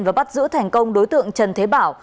và bắt giữ thành công đối tượng trần thế bảo